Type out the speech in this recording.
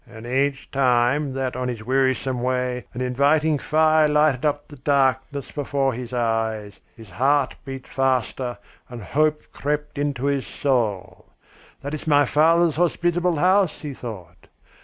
And each time that on his wearisome way an inviting fire lighted up the darkness before his eyes, his heart beat faster and hope crept into his soul. 'That is my father's hospitable house,' he thought.